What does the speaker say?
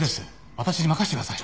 私に任せてください。